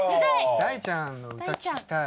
大ちゃんの歌聴きたい。